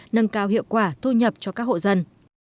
nâng cao hiệu quả thu nhập cho các hộ dân